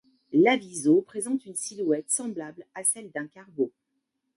L’aviso présente une silhouette semblable à celle d'un cargo.